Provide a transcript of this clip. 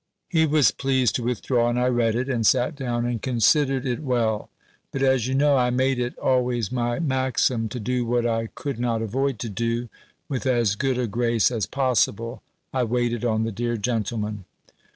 He was pleased to withdraw; and I read it, and sat down, and considered it well; but, as you know I made it always my maxim to do what I could not avoid to do, with as good a grace as possible, I waited on the dear gentleman.